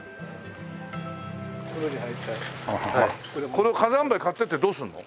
これ火山灰買っていってどうするの？